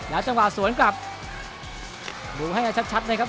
จังหวะสวนกลับดูให้ชัดนะครับ